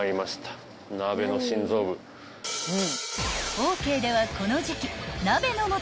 ［オーケーではこの時季］